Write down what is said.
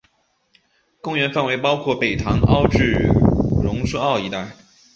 公园范围包括北潭凹至榕树澳一带。